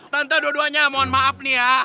tentu dua duanya mohon maaf nih ya